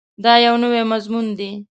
دا یو نوی مضمون دی.